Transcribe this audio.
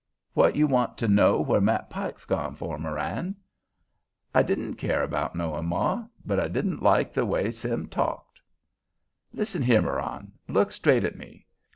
What you want to know where Matt Pike's gone for, Marann?" "I didn't care about knowing, ma, but I didn't like the way Sim talked." "Look here, Marann. Look straight at me.